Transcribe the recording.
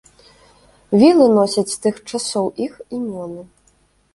Вілы носяць з тых часоў іх імёны.